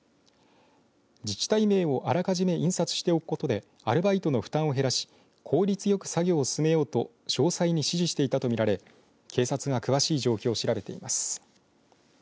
自治体名をあらかじめ印刷しておくことでアルバイトの負担を減らし効率よく作業を進めようと詳細に指示していたとみられ警察が詳しい状況を調べています。